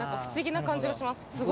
すごい。